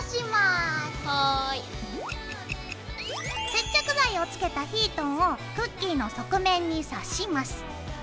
接着剤をつけたヒートンをクッキーの側面に刺します。